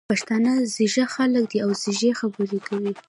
پښتانه ځيږه خلګ دي او ځیږې خبري کوي.